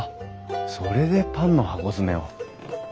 それでパンの箱詰めを。